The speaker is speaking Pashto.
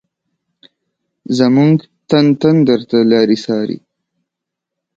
زمونږ تن تن درته لاري څاري